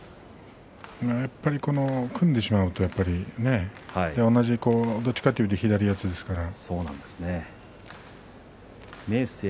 やっぱり組んでしまうとどちらかというと左四つですから。